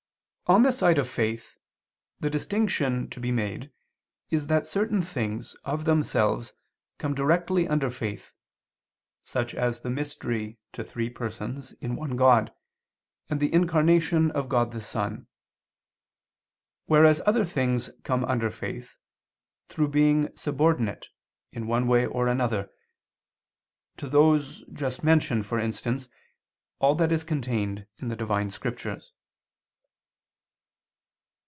On the side of faith the distinction to be made is that certain things, of themselves, come directly under faith, such as the mystery to three Persons in one God, and the incarnation of God the Son; whereas other things come under faith, through being subordinate, in one way or another, to those just mentioned, for instance, all that is contained in the Divine Scriptures.